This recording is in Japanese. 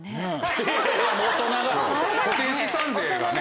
固定資産税がね。